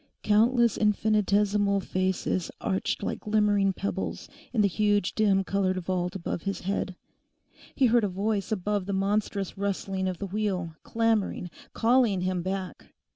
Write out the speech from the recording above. Countless infinitesimal faces arched like glimmering pebbles the huge dim coloured vault above his head. He heard a voice above the monstrous rustling of the wheel, clamouring, calling him back.